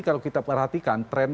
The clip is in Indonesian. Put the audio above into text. kalau kita perhatikan tren